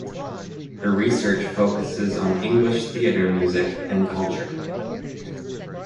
Her research focuses on English theater music and culture.